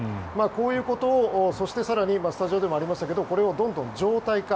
こういうことをそして、更にスタジオでもありましたがこれをどんどん常態化